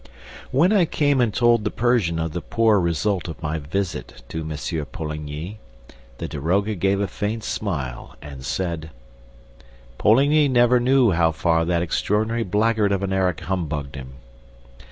When I came and told the Persian of the poor result of my visit to M. Poligny, the daroga gave a faint smile and said: "Poligny never knew how far that extraordinary blackguard of an Erik humbugged him."